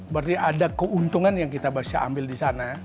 berarti ada keuntungan yang kita bisa ambil di sana